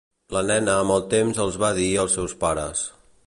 La nena amb el temps els va dir als seus pares.